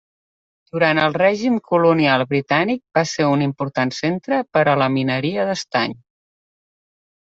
Durant el règim colonial britànic va ser un important centre per a la mineria d'estany.